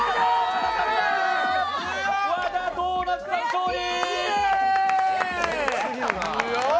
和田ドーナツさん勝利！